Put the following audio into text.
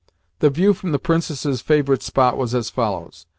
The view from the Princess's favourite spot was as follows.